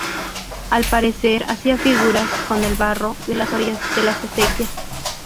Al parecer hacía figuras con el barro de las orillas de las acequias.